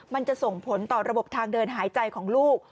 มันจะส่งผลต่อระบบทางเดินหายใจของลูก